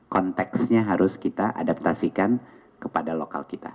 konteksnya harus kita adaptasikan kepada lokal kita